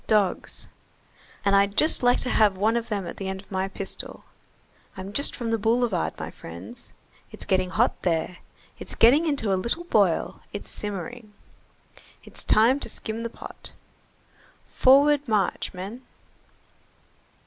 Dogs. And I'd just like to have one of them at the end of my pistol. I'm just from the boulevard, my friends. It's getting hot there, it's getting into a little boil, it's simmering. It's time to skim the pot. Forward march, men!